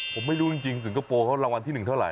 ผมไม่รู้จริงสิงคโปร์เขาเป็นรางวัลที่หนึ่งเท่าไร